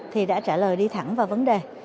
thì đã trả lời đi thẳng vào vấn đề